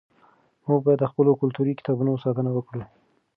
موږ باید د خپلو کلتوري کتابتونونو ساتنه وکړو.